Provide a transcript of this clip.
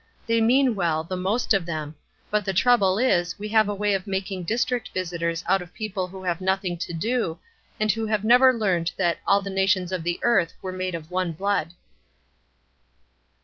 They mean well, the most of them; but the trouble is, we have a way of making district visitors out of people who have nothing to do, and who have never learned that 'all the nations of the earth were made of one blood.'"